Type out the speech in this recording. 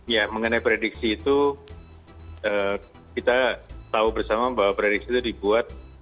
ya mengenai prediksi itu kita tahu bersama bahwa prediksi itu dibuat